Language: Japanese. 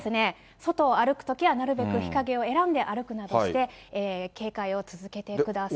外を歩くときは、なるべく日陰を選んで歩くなどして、警戒を続けてください。